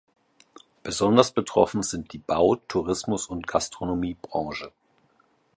Besonders betroffen sind die Bau-, Tourismus- und Gastronomiebranche.